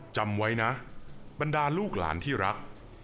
จำไว้นะบรรดาลูกหลานที่รัก